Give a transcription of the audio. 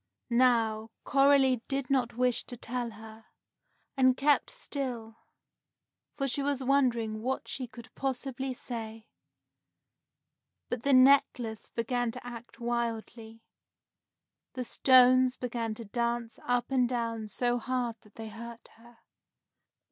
Now, Coralie did not wish to tell her, and kept still, for she was wondering what she could possibly say; but the necklace began to act wildly. The stones began to dance up and down so hard that they hurt her.